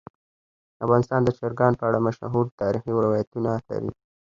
افغانستان د چرګان په اړه مشهور تاریخی روایتونه لري.